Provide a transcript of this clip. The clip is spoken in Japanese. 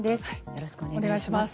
よろしくお願いします。